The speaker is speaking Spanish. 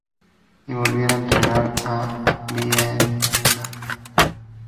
Y volvía a entrenar a Viena.